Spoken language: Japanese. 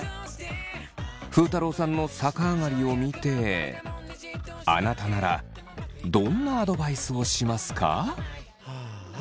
ふうたろうさんの逆上がりを見てあなたならどんなアドバイスをしますか？